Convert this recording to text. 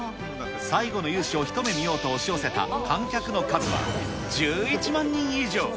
最後の雄姿を一目見ようと押し寄せた観客の数は、１１万人以上。